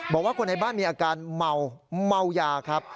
บอกว่าคนในบ้านมีอาการเมาเมายาครับ